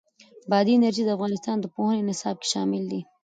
بادي انرژي د افغانستان د پوهنې نصاب کې شامل دي.